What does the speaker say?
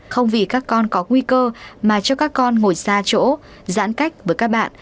không vì các con có nguy cơ mà cho các con ngồi xa chỗ giãn cách với các bạn